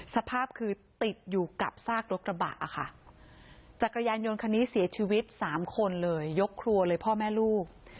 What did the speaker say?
สภาพคือติดอยู่กับซากรถกระบะค่ะจักรยานยนต์คันนี้เสียชีวิตสามคนเลยยกครัวเลยพ่อแม่ลูก